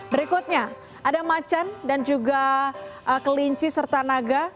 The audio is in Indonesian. berikutnya ada macan dan juga kelinci serta naga